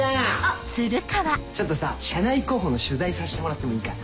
ちょっとさ社内広報の取材させてもらってもいいかな？